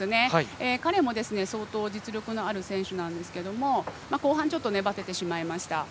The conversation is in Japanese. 彼も相当実力のある選手ですが後半、ちょっとばててしまいました。